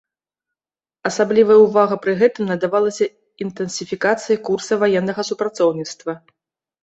Асаблівая ўвага пры гэтым надавалася інтэнсіфікацыі курса ваеннага супрацоўніцтва.